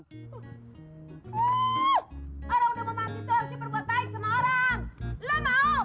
orang udah mau mati tuh harus super buat baik sama orang